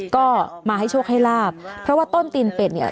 ก็มาให้โชคให้ลาบเพราะว่าต้นตีนเป็ดเนี่ย